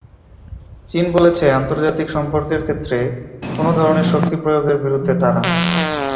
চীন বলেছে, আন্তর্জাতিক সম্পর্কের ক্ষেত্রে কোনো ধরনের শক্তি প্রয়োগের বিরুদ্ধে তারা।